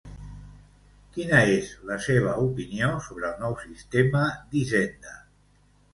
Quina és la seva opinió sobre el nou sistema d'Hisenda?